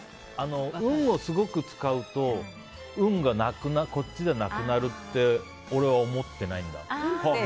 運をすごく使うと運がなくなるって俺は思っていないんだ。